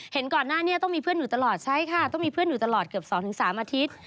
เห็นก่อนหน้านี้ต้องมีเพื่อนหนูตลอดใช่ค่ะต้องมีเพื่อนหนูตลอดเกือบ๒๓อาทิตย์